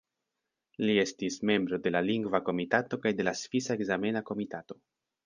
Li estis membro de la Lingva Komitato kaj de la Svisa Ekzamena Komitato.